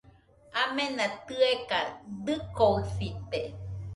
Amena tɨeka dɨkoɨsite